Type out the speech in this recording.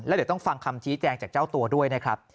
เดี๋ยวต้องฟังคำชี้แจงจากเจ้าตัวด้วยนะครับ